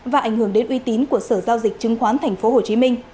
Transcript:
và ảnh hưởng đến uy tín của sở giao dịch chứng khoán tp hcm